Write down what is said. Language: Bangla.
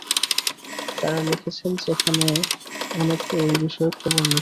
তাঁরা লিখেছেন, সেখানে অনেকে ঐ বিষয়ে খবর নিচ্ছে।